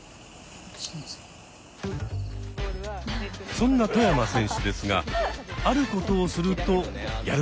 そんな外山選手ですがあることをするとやる気が出るんだとか。